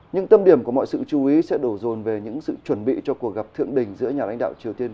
những tâm điểm của mọi sự chú ý sẽ đổ dồn về những sự chuẩn bị cho cuộc gặp thượng đỉnh giữa nhà lãnh đạo triều tiên